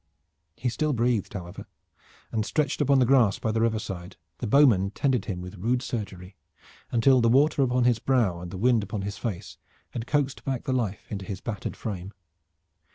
He still breathed, however, and stretched upon the grass by the riverside the bowman tended him with rude surgery, until the water upon his brow and the wind upon his face had coaxed back the life into his battered frame.